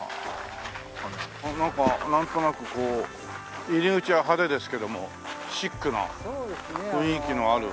なんかなんとなくこう入り口は派手ですけどもシックな雰囲気のある。